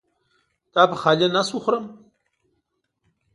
دا په خالي نس وخورم؟